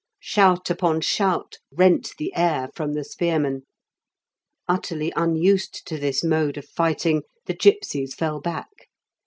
Shout upon shout rent the air from the spearmen. Utterly unused to this mode of fighting, the gipsies fell back.